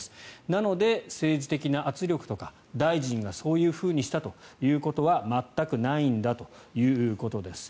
なので政治的な圧力とか、大臣がそういうふうにしたということは全くないんだということです。